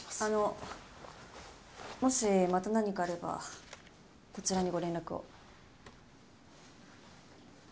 あのもしまた何かあればこちらにご連絡を。